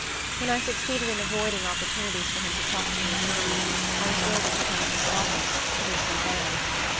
When I succeeded in avoiding opportunities for him to talk to me at home, I was ordered to come to his office, to do some errand.